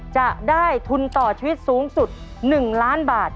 จะได้ทุนต่อชีวิตสูงสุด๑ล้านบาท